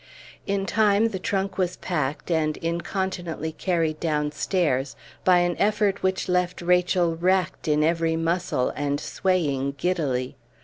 In time the trunk was packed, and incontinently carried downstairs, by an effort which left Rachel racked in every muscle and swaying giddily.